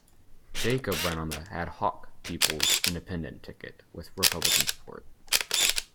Jacob ran on the "ad hoc" "People's Independent" ticket with Republican support.